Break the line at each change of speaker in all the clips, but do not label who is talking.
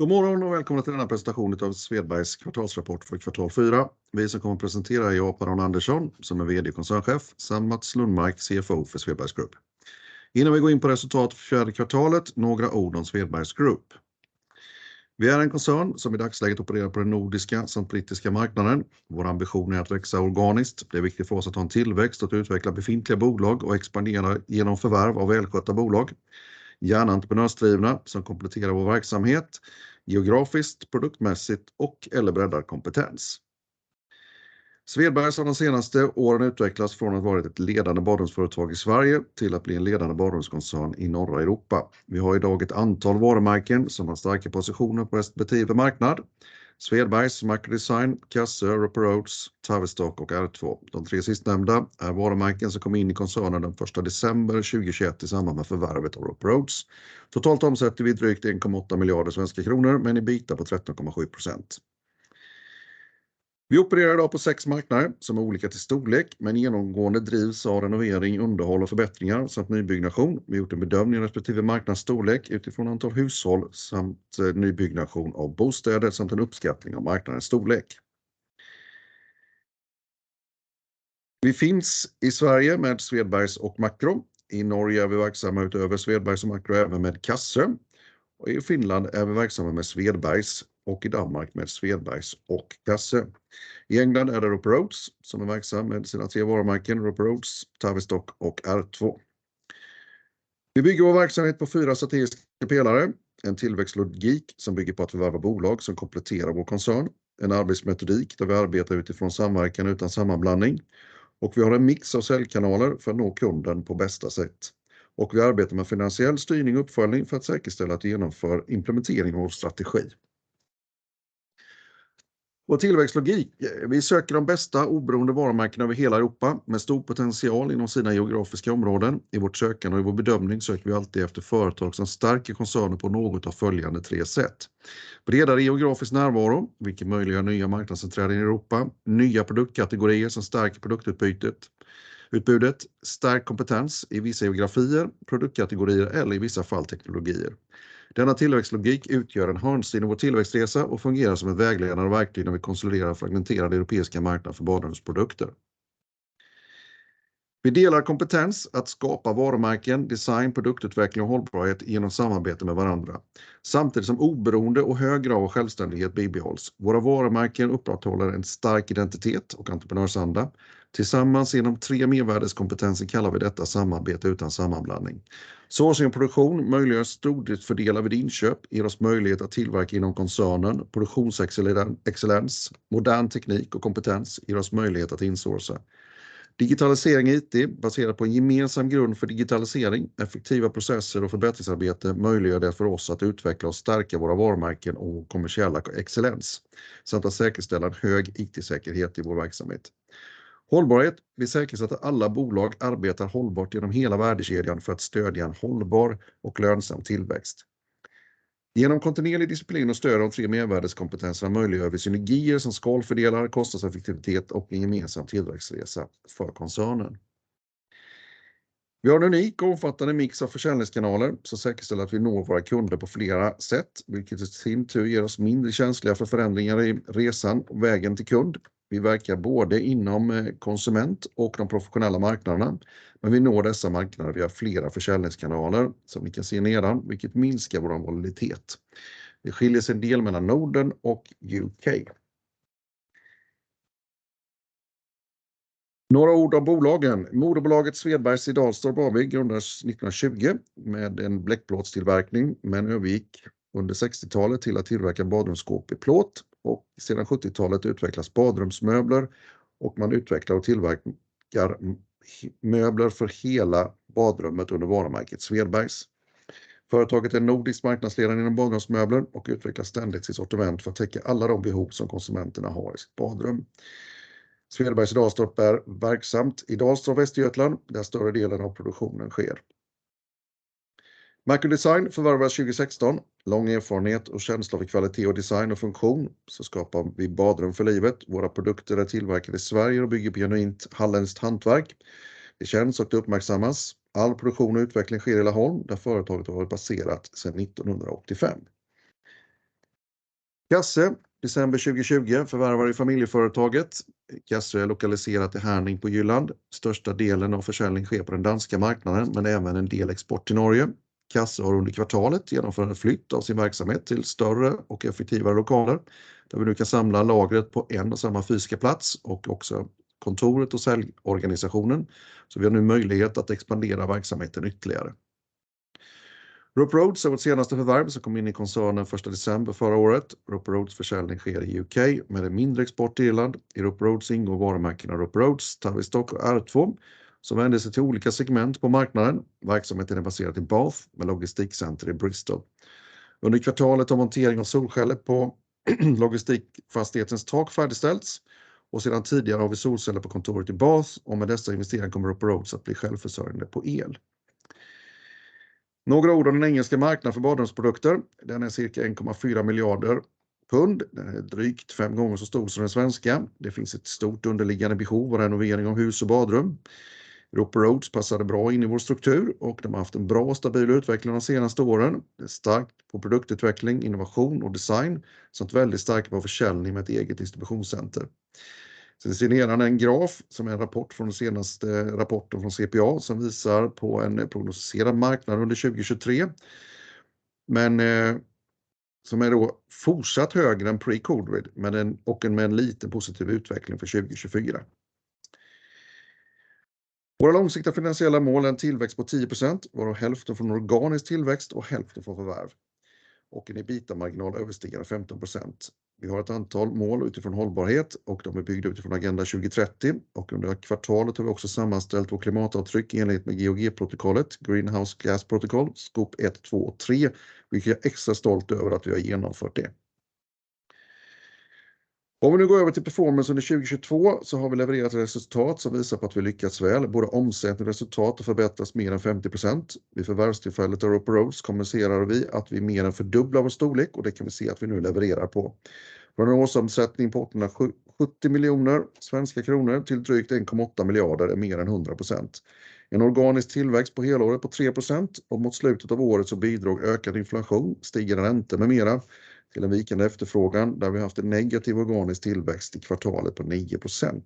God morgon och välkomna till denna presentation utav Svedbergs kvartalsrapport för kvartal fyra. Vi som kommer att presentera är jag Per-Arne Andersson som är VD och Koncernchef. Mats Lundmark, CFO för Svedbergs Group. Innan vi går in på resultat för fjärde kvartalet, några ord om Svedbergs Group. Vi är en koncern som i dagsläget opererar på den nordiska samt brittiska marknaden. Vår ambition är att växa organiskt. Det är viktigt för oss att ha en tillväxt, att utveckla befintliga bolag och expandera genom förvärv av välskötta bolag. Gärna entreprenörsdrivna som kompletterar vår verksamhet, geografiskt, produktmässigt och eller breddar kompetens. Svedbergs har de senaste åren utvecklats från att varit ett ledande badrumsföretag i Sverige till att bli en ledande badrumskoncern i norra Europa. Vi har i dag ett antal varumärken som har starka positioner på respektive marknad. Svedbergs, Macro Design, Cassøe, Roper Rhodes, Tavistock och R2. De 3 sistnämnda är varumärken som kom in i koncernen den första december 2021 i samband med förvärvet av Roper Rhodes. Totalt omsätter vi drygt SEK 1.8 billion men en EBITA på 13.7%. Vi opererar i dag på 6 marknader som är olika till storlek, men genomgående drivs av renovering, underhåll och förbättringar samt nybyggnation. Vi har gjort en bedömning av respektive marknadsstorlek utifrån antal hushåll samt nybyggnation av bostäder samt en uppskattning av marknadens storlek. Vi finns i Sverige med Svedbergs och Macro. I Norge är vi verksamma utöver Svedbergs och Macro även med Cassøe. I Finland är vi verksamma med Svedbergs och i Danmark med Svedbergs och Cassøe. I England är det Roper Rhodes som är verksam med sina 3 varumärken, Roper Rhodes, Tavistock och R2. Vi bygger vår verksamhet på 4 strategiska pelare. En tillväxtlogik som bygger på att förvärva bolag som kompletterar vår koncern. En arbetsmetodik där vi arbetar utifrån samverkan utan sammanblandning. Vi har en mix av säljkanaler för att nå kunden på bästa sätt. Vi arbetar med finansiell styrning och uppföljning för att säkerställa att vi genomför implementering av vår strategi. Vår tillväxtlogik, vi söker de bästa oberoende varumärkena över hela Europa med stor potential inom sina geografiska områden. I vårt sökande och i vår bedömning söker vi alltid efter företag som stärker koncernen på något av följande tre sätt. Bredare geografisk närvaro, vilket möjliggör nya marknadsenträrer i Europa, nya produktkategorier som stärker produktutbudet, stärkt kompetens i vissa geografier, produktkategorier eller i vissa fall teknologier. Denna tillväxtlogik utgör en hörnsten inom vår tillväxtresa och fungerar som en vägledande verktyg när vi konsoliderar fragmenterad europeiska marknad för badrumsprodukter. Vi delar kompetens att skapa varumärken, design, produktutveckling och hållbarhet igenom samarbete med varandra. Samtidigt som oberoende och hög grad av självständighet bibehålls. Våra varumärken upprätthåller en stark identitet och entreprenörsanda. Tillsammans igenom tre mervärdeskompetenser kallar vi detta samarbete utan sammanblandning. Sourcing och produktion möjliggör storleksfördelar vid inköp, ger oss möjlighet att tillverka inom koncernen, produktionsexcellens, modern teknik och kompetens ger oss möjlighet att insourca. Digitalisering och IT baserad på en gemensam grund för digitalisering, effektiva processer och förbättringsarbete möjliggör det för oss att utveckla och stärka våra varumärken och kommersiella excellens. Samt att säkerställa en hög IT-säkerhet i vår verksamhet. Hållbarhet. Vi säkerställer att alla bolag arbetar hållbart genom hela värdekedjan för att stödja en hållbar och lönsam tillväxt. Genom kontinuerlig disciplin och stöd av de tre mervärdeskompetenserna möjliggör vi synergier som skalfördelar, kostnadseffektivitet och en gemensam tillväxtresa för koncernen. Vi har en unik och omfattande mix av försäljningskanaler som säkerställer att vi når våra kunder på flera sätt, vilket i sin tur gör oss mindre känsliga för förändringar i resan och vägen till kund. Vi verkar både inom konsument och de professionella marknaderna, men vi når dessa marknader via flera försäljningskanaler som vi kan se nedan, vilket minskar vår volatilitet. Det skiljer sig en del mellan Norden och UK. Några ord om bolagen. Moderbolaget Svedbergs i Dalstorp, Varberg grundades 1920 med en bleckplåtstillverkning, men övergick under 60-talet till att tillverka badrumsskåp i plåt och sedan 70-talet utvecklas badrumsmöbler och man utvecklar och tillverkar möbler för hela badrummet under varumärket Svedbergs. Företaget är nordiskt marknadsledande inom badrumsmöbler och utvecklar ständigt sitt sortiment för att täcka alla de behov som konsumenterna har i sitt badrum. Svedbergs i Dalstorp är verksamt i Dalstorp, Västergötland, där större delen av produktionen sker. Macro Design förvärvas 2016. Lång erfarenhet och känsla för kvalitet och design och funktion. Skapar vi badrum för livet. Våra produkter är tillverkade i Sverige och bygger på genuint halländskt hantverk. Det känns och det uppmärksammas. All produktion och utveckling sker i Laholm, där företaget har varit baserat sedan 1985. Cassø, december 2020, förvärvar vi familjeföretaget. Cassø är lokaliserat i Herning på Jylland. Största delen av försäljning sker på den danska marknaden, men även en del export till Norge. Cassø har under kvartalet genomfört en flytt av sin verksamhet till större och effektivare lokaler, där vi nu kan samla lagret på en och samma fysiska plats och också kontoret och säljorganisationen. Vi har nu möjlighet att expandera verksamheten ytterligare. Roper Rhodes är vårt senaste förvärv som kom in i koncernen första december förra året. Roper Rhodes försäljning sker i UK med en mindre export till Irland. I Roper Rhodes ingår varumärkena Roper Rhodes, Tavistock och R2, som vänder sig till olika segment på marknaden. Verksamheten är baserad i Bath med logistikcenter i Bristol. Under kvartalet har montering av solceller på logistikfastighetens tak färdigställts och sedan tidigare har vi solceller på kontoret i Bath och med dessa investeringar kommer Roper Rhodes att bli självförsörjande på el. Några ord om den engelska marknad för badrumsprodukter. Den är cirka GBP 1.4 billion. Den är drygt 5 gånger så stor som den svenska. Det finns ett stort underliggande behov av renovering av hus och badrum. Roper Rhodes passade bra in i vår struktur och de har haft en bra och stabil utveckling de senaste åren. Det är starkt på produktutveckling, innovation och design. Väldigt stark på försäljning med ett eget distributionscenter. Ni ser ner här en graf som är en rapport från senaste rapporten från CPA som visar på en prognosera marknad under 2023. som är då fortsatt högre än pre-covid, men en liten positiv utveckling för 2024. Våra långsiktiga finansiella mål är en tillväxt på 10%, varav hälften från organisk tillväxt och hälften från förvärv. En EBITDA-marginal överstiger av 15%. Vi har ett antal mål utifrån hållbarhet och de är byggd utifrån Agenda 2030. Under kvartalet har vi också sammanställt vårt klimatavtryck i enlighet med GHG-protokollet, Greenhouse Gas Protocol, Scope 1, 2 och 3, vilket jag är extra stolt över att vi har genomfört det. Om vi nu går över till performance under 2022 så har vi levererat resultat som visar på att vi lyckats väl. Både omsättning, resultat och förbättras mer än 50%. Vid förvärvstillfället av Roper Rhodes kommunicerade vi att vi mer än fördubblar vår storlek och det kan vi se att vi nu levererar på. Från en årsomsättning på SEK 170 million till drygt SEK 1.8 billion är mer än 100%. En organisk tillväxt på helåret på 3% och mot slutet av året så bidrog ökad inflation, stigande räntor med mera till en vikande efterfrågan där vi haft en negativ organisk tillväxt i kvartalet på 9%.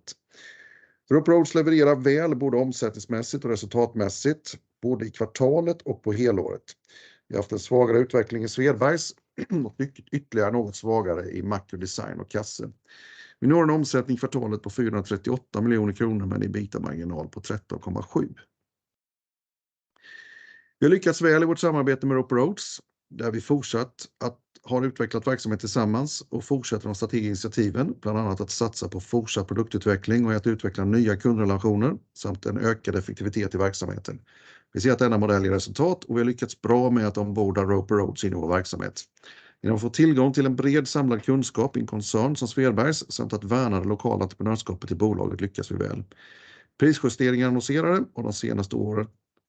Roper Rhodes levererar väl både omsättningsmässigt och resultatmässigt, både i kvartalet och på helåret. Vi har haft en svagare utveckling i Svedbergs och ytterligare något svagare i Macro Design och Cassøe. Vi når en omsättning i kvartalet på SEK 438 million med en EBITDA margin på 13.7%. Vi har lyckats väl i vårt samarbete med Roper Rhodes, där vi fortsatt att har utvecklat verksamhet tillsammans och fortsätter de strategiska initiativen, bland annat att satsa på fortsatt produktutveckling och att utveckla nya kundrelationer samt en ökad effektivitet i verksamheten. Vi ser att denna modell ger resultat och vi har lyckats bra med att omborda Roper Rhodes in i vår verksamhet. Genom att få tillgång till en bred samlad kunskap i en koncern som Svedbergs samt att värna det lokala entreprenörskapet i bolaget lyckas vi väl. Prisjusteringar annonserade och de senaste åren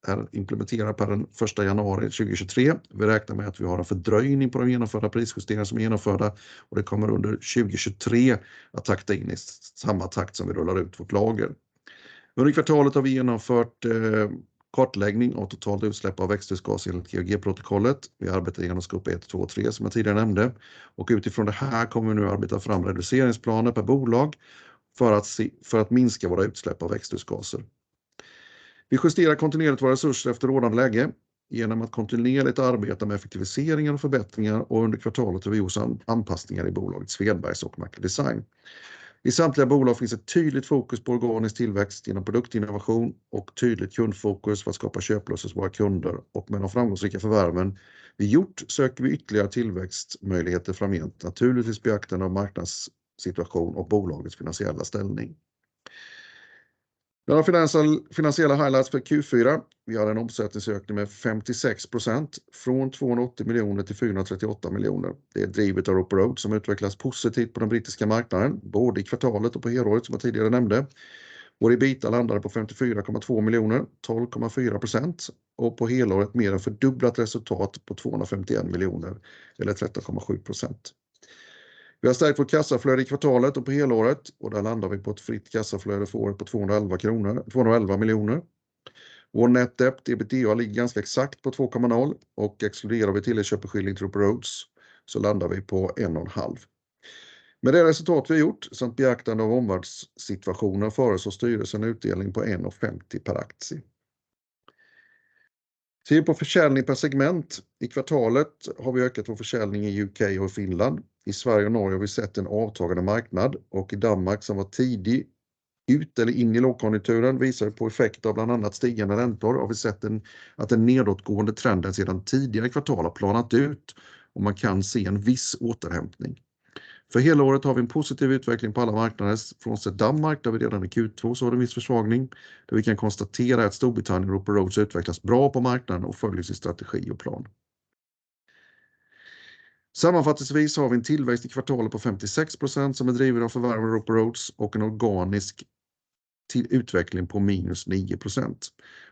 är implementerad per den första januari 2023. Vi räknar med att vi har en fördröjning på de genomförda prisjusteringar som är genomförda och det kommer under 2023 att takta in i samma takt som vi rullar ut vårt lager. Under kvartalet har vi genomfört kartläggning av totalt utsläpp av växthusgas enligt GHG-protokollet. Vi arbetar igenom Scope 1, 2 och 3 som jag tidigare nämnde och utifrån det här kommer vi nu arbeta fram reduceringsplaner per bolag för att minska våra utsläpp av växthusgaser. Vi justerar kontinuerligt våra resurser efter ordaläge genom att kontinuerligt arbeta med effektiviseringar och förbättringar och under kvartalet har vi gjort anpassningar i bolaget Svedbergs och Macro Design. I samtliga bolag finns ett tydligt fokus på organisk tillväxt igenom produktinnovation och tydligt kundfokus för att skapa köplös hos våra kunder och med de framgångsrika förvärven. Vid gjort söker vi ytterligare tillväxtmöjligheter framgent, naturligtvis beaktande av marknadssituation och bolagets finansiella ställning. Några finansiella highlights för Q4. Vi har en omsättningsökning med 56% från SEK 280 million till SEK 438 million. Det är drivet av Roper Rhodes som utvecklas positivt på den brittiska marknaden, både i kvartalet och på helåret som jag tidigare nämnde. Our EBITDA was SEK 54.2 million, 12.4% and for the full year more than doubled result of SEK 251 million or 13.7%. We have strengthened our cash flow in the quarter and for the full year and there we land on a free cash flow for the year of SEK 211 kronor, SEK 211 million. Our net debt/EBITDA is quite exactly at 2.0 and if we exclude the purchase price for Roper Rhodes then we land at 1.5. With the result we have achieved and considering the global situation the Board proposes a dividend of SEK 1.50 per share. If we look at sales per segment. In the quarter we have increased our sales in UK and Finland. I Sverige och Norge har vi sett en avtagande marknad och i Danmark som var tidig ut eller in i lågkonjunkturen visar det på effekt av bland annat stigande räntor har vi sett att den nedåtgående trenden sedan tidigare kvartal har planat ut och man kan se en viss återhämtning. För helåret har vi en positiv utveckling på alla marknader frånsett Danmark, där vi redan i Q2 såg en viss försvagning. Där vi kan konstatera att Storbritannien Roper Rhodes utvecklas bra på marknaden och följer sin strategi och plan. Sammanfattelsevis har vi en tillväxt i kvartalet på 56% som är driven av förvärvare Roper Rhodes och en organisk till utveckling på minus 9%.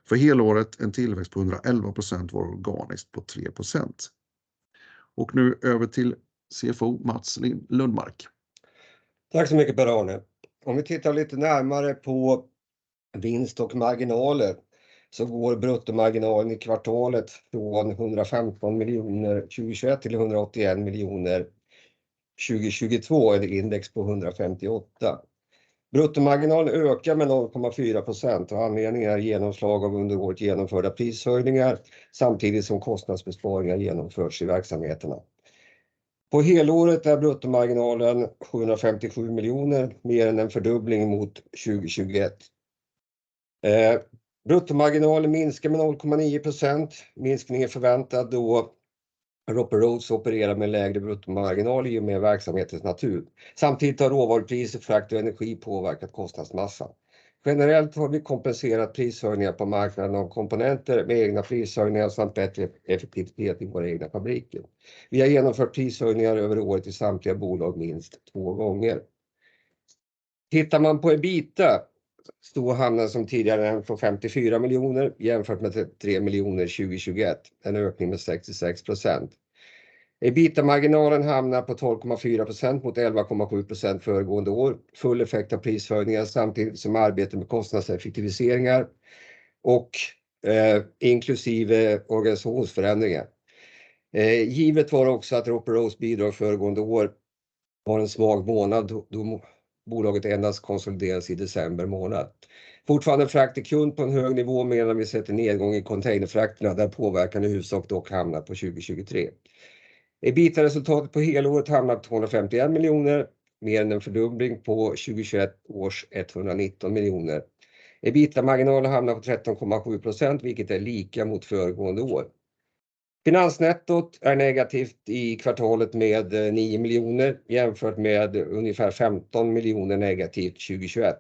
För helåret en tillväxt på 111% och organiskt på 3%. Nu över till CFO Mats Lundmark.
Tack så mycket Per-Arne. Vi tittar lite närmare på vinst och marginaler så går bruttomarginalen i kvartalet från SEK 115 million 2021 till SEK 181 million 2022, är det index på 158. Bruttomarginalen ökar med 0.4% och anledningen är genomslag av under året genomförda prishöjningar samtidigt som kostnadsbesparingar genomförs i verksamheterna. På helåret är bruttomarginalen SEK 757 million, mer än en fördubbling mot 2021. Bruttomarginalen minskar med 0.9%. Minskningen är förväntad då Roper Rhodes opererar med lägre bruttomarginal i och med verksamhetens natur. Samtidigt har råvarupriser, frakt och energi påverkat kostnadsmassan. Generellt har vi kompenserat prishöjningar på marknaden av komponenter med egna prishöjningar samt bättre effektivitet i våra egna fabriker. Vi har genomfört prishöjningar över året i samtliga bolag minst 2 times. Tittar man på EBITA, stor hamnar som tidigare för SEK 54 million jämfört med SEK 33 million 2021. En ökning med 66%. EBITA-marginalen hamnar på 12.4% mot 11.7% föregående år. Full effekt av prisförhöjningar samtidigt som arbete med kostnadseffektiviseringar och inklusive organisationsförändringar. Givet var också att Roper Rhodes bidrag föregående år var en svag månad då bolaget endast konsolideras i december månad. Fortfarande frakt till kund på en hög nivå medan vi sett en nedgång i containerfrakterna där påverkan i huvudsak dock hamnat på 2023. EBITA-resultatet på helåret hamnar på SEK 251 million mer än en fördubbling på 2021 års SEK 119 million. EBITA-marginalen hamnar på 13.7%, vilket är lika mot föregående år. Finansnettot är negativt i kvartalet med SEK 9 million jämfört med ungefär SEK 15 million negativt 2021.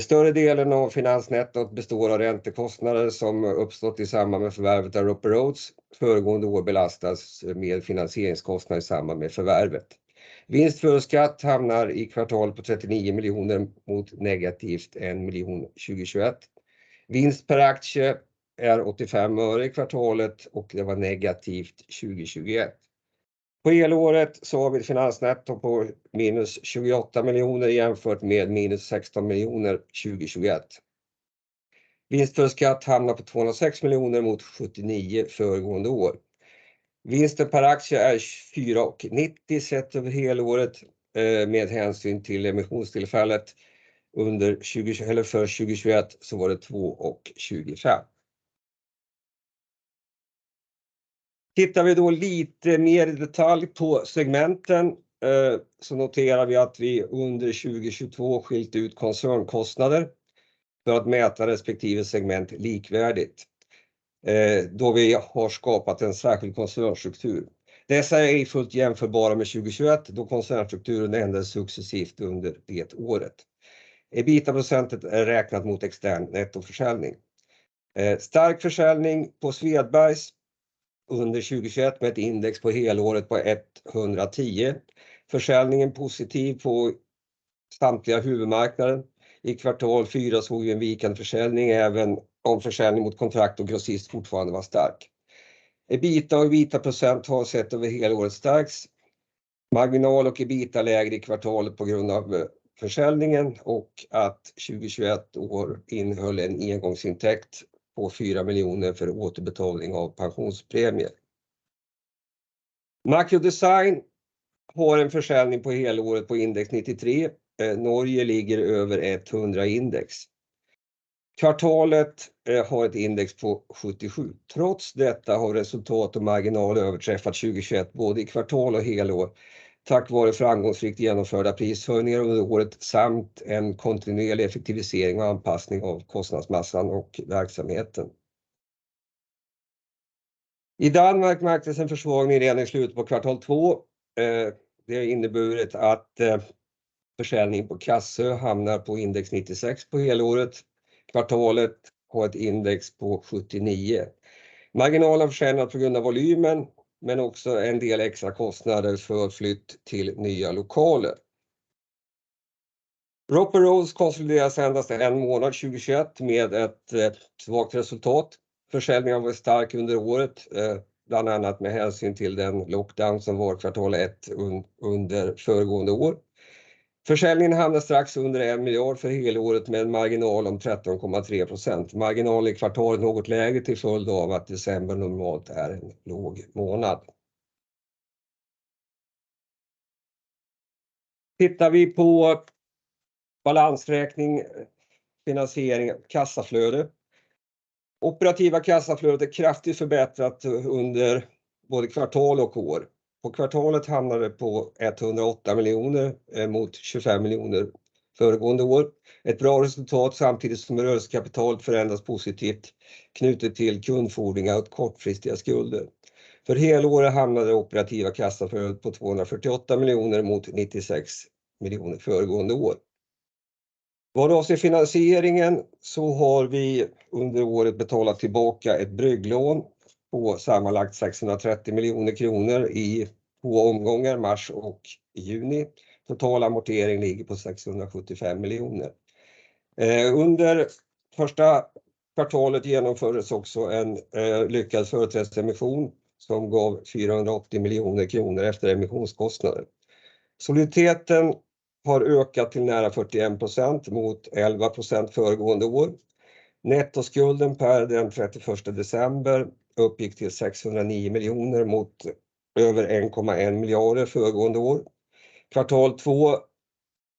Större delen av finansnettot består av räntekostnader som uppstått i samband med förvärvet av Roper Rhodes. Föregående år belastas med finansieringskostnad i samband med förvärvet. Vinst för skatt hamnar i kvartal på SEK 39 million mot negativt SEK 1 million 2021. Vinst per aktie är SEK 0.85 i kvartalet och det var negativt 2021. På helåret har vi ett finansnetto på minus SEK 28 million jämfört med minus SEK 16 million 2021. Vinst för skatt hamnar på SEK 206 million mot SEK 79 million föregående år. Vinsten per aktie är SEK 4.90 sett över helåret med hänsyn till emissionstillfället. Under 2020 eller för 2021 var det SEK 2.25. Tittar vi då lite mer i detalj på segmenten, noterar vi att vi under 2022 skilt ut koncernkostnader för att mäta respektive segment likvärdigt. Då vi har skapat en särskild koncernstruktur. Dessa är ej fullt jämförbara med 2021, då koncernstrukturen ändrades successivt under det året. EBITA-procentet är räknat mot extern nettoförsäljning. Stark försäljning på Svedbergs under 2021 med ett index på helåret på 110. Försäljningen positiv på samtliga huvudmarknader. I Q4 såg vi en viken försäljning, även om försäljning mot kontrakt och grossist fortfarande var stark. EBITA och EBITA % har sett över helåret stärks. Marginal och EBITA lägre i kvartalet på grund av försäljningen och att 2021 år innehöll en engångsintäkt på SEK 4 million för återbetalning av pensionspremier. Macro Design har en försäljning på helåret på index 93. Norge ligger över 100 index. Kvartalet har ett index på 77. Trots detta har resultat och marginal överträffat 2021 både i kvartal och helår. Tack vare framgångsrikt genomförda prishöjningar under året samt en kontinuerlig effektivisering och anpassning av kostnadsmassan och verksamheten. I Danmark märktes en försvagning redan i slutet på Q2. Det har inneburit att försäljning på Cassøe hamnar på index 96 på helåret. Kvartalet har ett index på 79. Marginalen försämrat på grund av volymen, men också en del extra kostnader för flytt till nya lokaler. Roper Rhodes konsolideras endast 1 månad 2021 med ett svagt resultat. Försäljningen var stark under året, bland annat med hänsyn till den lockdown som var kvartal ett under föregående år. Försäljningen hamnar strax under SEK 1 billion för helåret med en marginal om 13.3%. Marginal i kvartalet något lägre till följd av att december normalt är en låg månad. Tittar vi på balansräkning, finansiering, kassaflöde. Operativa kassaflödet är kraftigt förbättrat under både kvartal och år. På kvartalet hamnar det på SEK 108 million mot SEK 25 million föregående år. Ett bra resultat samtidigt som rörelsekapitalet förändras positivt knutet till kundfordringar och kortfristiga skulder. För helåret hamnar det operativa kassaflödet på SEK 248 million mot SEK 96 million föregående år. Vad det avser finansieringen har vi under året betalat tillbaka ett brygglån på sammanlagt SEK 630 million i två omgångar, March and June. Total amortering ligger på SEK 675 million. Under första kvartalet genomfördes också en lyckad företrädesemission som gav SEK 480 million efter emissionskostnader. Soliditeten har ökat till nära 41% mot 11% föregående år. Nettoskulden per den 31st December uppgick till SEK 609 million mot över SEK 1.1 billion föregående år. Kvartal två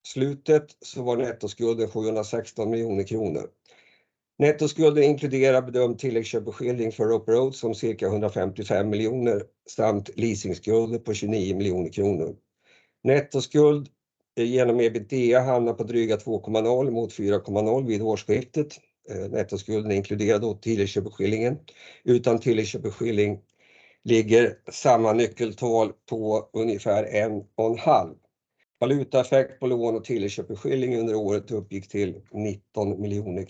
slutet var nettoskulden SEK 716 million. Nettoskulden inkluderar bedömd tilläggsköpeskilling för Roper Rhodes om cirka SEK 155 million samt leasingskulder på SEK 29 million. Nettoskuld genom EBITDA hamnar på dryga 2.0 mot 4.0 vid årsskiftet. Nettoskulden inkluderar då tilläggsköpeskillingen. Utan tilläggsköpeskilling ligger samma nyckeltal på ungefär 1.5. Valutaeffekt på lån och tilläggsköpeskilling under året uppgick till SEK 19 million.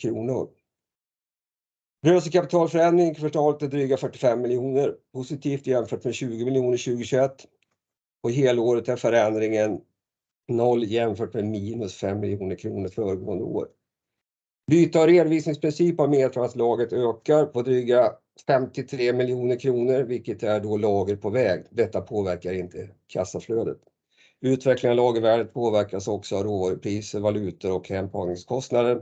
Rörelsekapitalförändring kvartalet SEK 45 million positivt jämfört med SEK 20 million 2021. Helåret är förändringen 0 jämfört med -SEK 5 million föregående år. Byte av redovisningsprincip av medansslaget ökar på SEK 53 million, vilket är då lager på väg. Detta påverkar inte kassaflödet. Utvecklingen av lagervärdet påverkas också av råvarupriser, valutor och hämthangningskostnader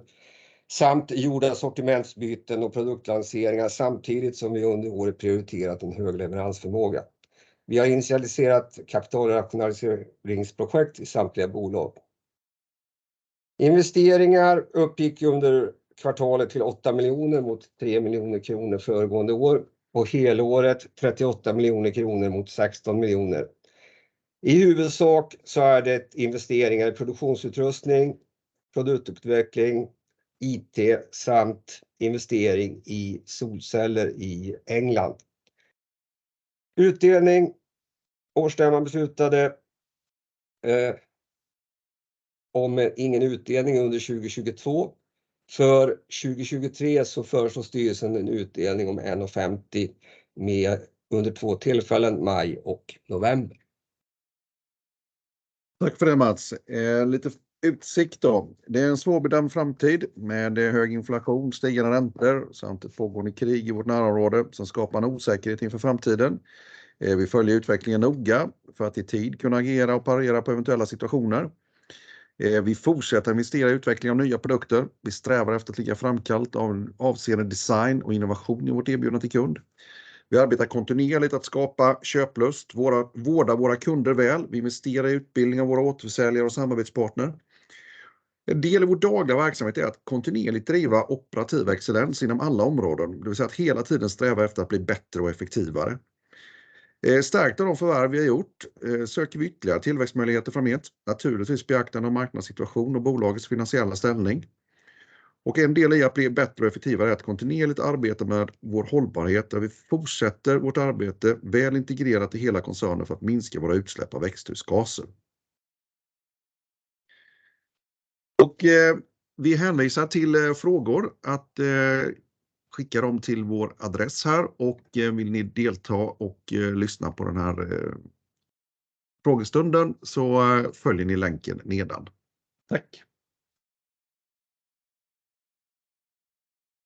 samt gjorda sortimentsbyten och produktlanseringar samtidigt som vi under året prioriterat en hög leveransförmåga. Vi har initialiserat kapitalrationaliseringsprojekt i samtliga bolag. Investeringar uppgick under kvartalet till SEK 8 million mot SEK 3 million föregående år och helåret SEK 38 million mot SEK 16 million. I huvudsak så är det investeringar i produktionsutrustning, produktutveckling, IT samt investering i solceller i England. Utdelning. Årstämman beslutade om ingen utdelning under 2022. För 2023 föreslår styrelsen en utdelning om SEK 1.50 mer under 2 tillfällen maj och november.
Tack för det, Mats. Lite utsikt då. Det är en svårbedömd framtid med hög inflation, stigande räntor samt ett pågående krig i vårt närområde som skapar en osäkerhet inför framtiden. Vi följer utvecklingen noga för att i tid kunna agera och parera på eventuella situationer. Vi fortsätter investera i utveckling av nya produkter. Vi strävar efter att ligga framkallt av en avseende design och innovation i vårt erbjudande till kund. Vi arbetar kontinuerligt att skapa köplust, vårda våra kunder väl. Vi investerar i utbildning av våra återförsäljare och samarbetspartner. En del i vår dagliga verksamhet är att kontinuerligt driva operativ excellens inom alla områden, det vill säga att hela tiden sträva efter att bli bättre och effektivare. Stärkta de förvärv vi har gjort söker vi ytterligare tillväxtmöjligheter framåt. Naturligtvis beaktande om marknadssituation och bolagets finansiella ställning. En del i att bli bättre och effektivare är att kontinuerligt arbeta med vår hållbarhet, där vi fortsätter vårt arbete väl integrerat i hela koncernen för att minska våra utsläpp av växthusgaser. Vi hänvisar till frågor att skicka dem till vår adress här och vill ni delta och lyssna på den här frågestunden så följer ni länken nedan. Tack!